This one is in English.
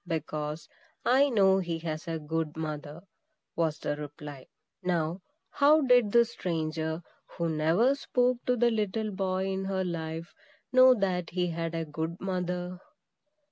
"Because I know he has a good mother," was the reply. Now, how did this stranger, who never spoke to the little boy in her life, know that he had a good mother?